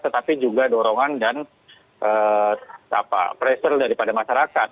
tetapi juga dorongan dan eee apa pressure daripada masyarakat